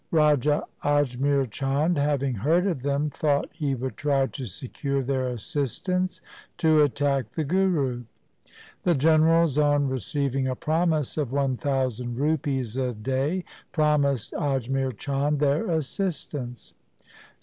Raja Ajmer Chand having heard of them thought he would try to secure their assistance to attack the Guru. The generals on receiving a promise of one thousand rupees a day promised Ajmer Chand their assistance.